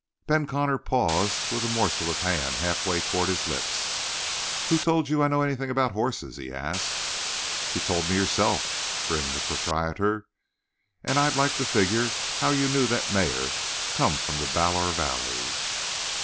Ben Connor paused with a morsel of ham halfway toward his lips. "Who told you I know anything about horses?" he asked. "You told me yourself," grinned the proprietor, "and I'd like to figure how you knew the mare come from the Ballor Valley."